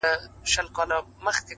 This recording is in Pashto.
• نور به شاعره زه ته چوپ ووسو؛